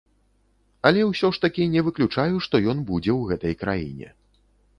Але ўсё ж такі не выключаю, што ён будзе ў гэтай краіне.